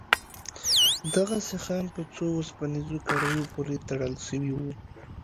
دغه سيخان په څو وسپنيزو کړيو پورې تړل سوي وو.